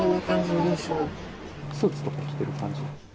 スーツとか着てる感じですか？